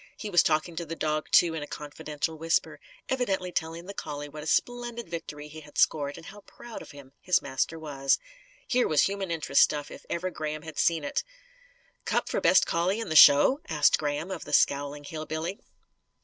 He was talking to the dog, too, in a confidential whisper; evidently telling the collie what a splendid victory he had scored and how proud of him his master was. Here was human interest stuff, if ever Graham had seen it! "Cup for best collie in the show?" asked Graham of the scowling hill billy.